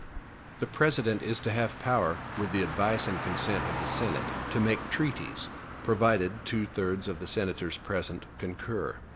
The President is to have power, with the advice and consent of the Senate, to make treaties, provided two thirds of the senators present concur.